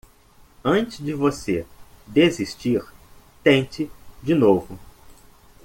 Antes de você desistir, tente de novo